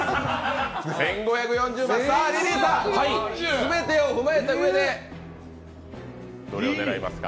全てを踏まえたうえでどれを狙いますか？